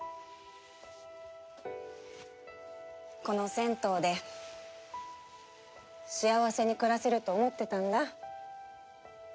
この銭湯で幸せに暮らせると思ってたんだ。